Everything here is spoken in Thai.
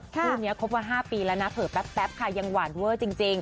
คู่นี้ครบมา๕ปีแล้วนะเผลอแป๊บค่ะยังหวานเวอร์จริง